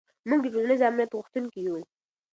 موږ د ټولنیز امنیت غوښتونکي یو.